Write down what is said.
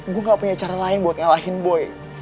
gue gak punya cara lain buat ngalahin boy